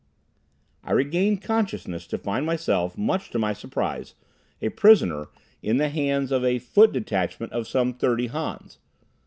I regained consciousness to find myself, much to my surprise, a prisoner in the hands of a foot detachment of some thirty Hans.